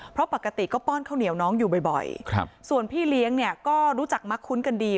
เพราะปกติก็ป้อนข้าวเหนียวน้องอยู่บ่อยส่วนพี่เลี้ยงเนี่ยก็รู้จักมักคุ้นกันดี